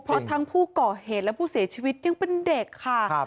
เพราะทั้งผู้ก่อเหตุและผู้เสียชีวิตยังเป็นเด็กค่ะ